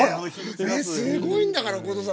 ねっすごいんだから後藤さん！